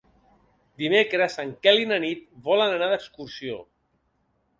Dimecres en Quel i na Nit volen anar d'excursió.